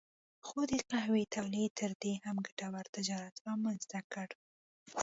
خو د قهوې تولید تر دې هم ګټور تجارت رامنځته کړ.